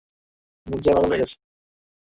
মির্জা পাগল হয়ে গেছে।